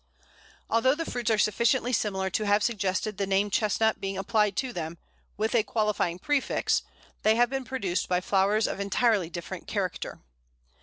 Although the fruits are sufficiently similar to have suggested the name Chestnut being applied to this, with a qualifying prefix, they have been produced by flowers of entirely different character.